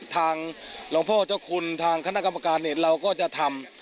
ทางลงพ่อเจ้าคุณทางค้าณกรรมการเราก็จะทำ